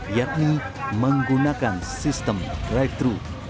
yakni menggunakan sistem drive thru